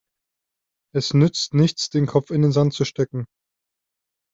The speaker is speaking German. Es nützt nichts, den Kopf in den Sand zu stecken.